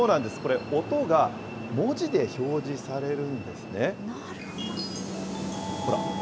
これ、音が文字で表示されるんですね。